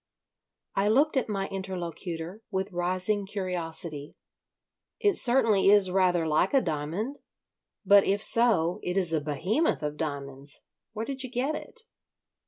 I looked at my interlocutor with rising curiosity. "It certainly is rather like a diamond. But, if so, it is a Behemoth of diamonds. Where did you get it?"